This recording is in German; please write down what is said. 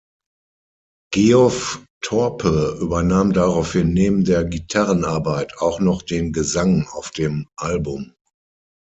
Geoff Thorpe übernahm daraufhin neben der Gitarrenarbeit auch noch den Gesang auf dem Album.